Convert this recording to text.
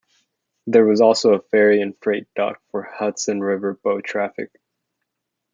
There was also a ferry and freight dock for Hudson River boat traffic.